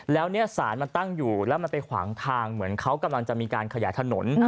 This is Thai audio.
แล้วเนี่ยสารมันตั้งอยู่แล้วมันไปขวางทางเหมือนเขากำลังจะมีการขยายถนน